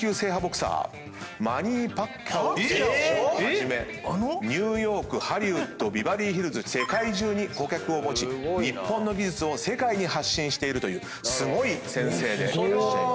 パッキャオ⁉ニューヨークハリウッドビバリーヒルズ世界中に顧客を持ち日本の技術を世界に発信しているというすごい先生でいらっしゃいます。